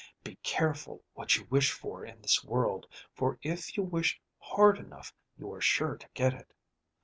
Be careful what you wish for in this world, for if you wish hard enough you are sure to get it.